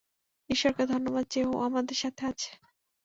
ঈশ্বরকে ধন্যবাদ যে ও আমাদের সাথে আছে!